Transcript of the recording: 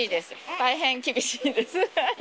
大変厳しいです。